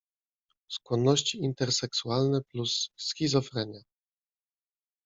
„Skłonności interseksualne plus schizofrenia.